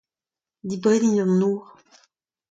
Dibrennit an nor.